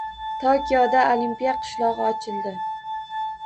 Tokioda Olimpiya qishlog‘i ochildi